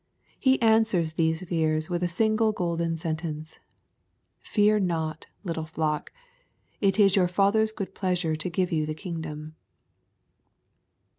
He answers these many fears with a single golden sentence, — "Fear not, little flock, it is your Father's good pleasure to give lyou the kingdom."